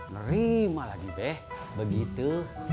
merima lagi be begitu